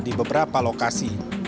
di beberapa lokasi